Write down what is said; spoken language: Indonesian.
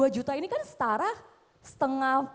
dua juta ini kan setara setengah